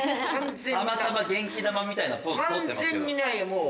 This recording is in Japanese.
たまたま元気玉みたいなポーズとってますけど。